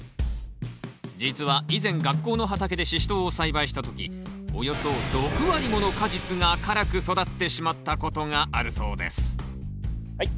実は以前学校の畑でシシトウを栽培した時およそ６割もの果実が辛く育ってしまったことがあるそうですはい。